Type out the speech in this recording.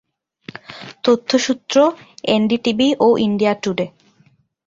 তথ্যসূত্র NDTV ও India today